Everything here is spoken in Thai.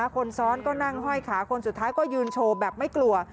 คนซ้อนก็นั่งห้อยขาคนสุดท้ายก็ยืนโชว์แบบไม่กลัว